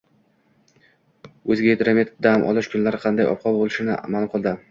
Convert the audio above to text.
O‘zgidromet dam olish kunlari qanday ob-havo bo‘lishini ma’lum qildi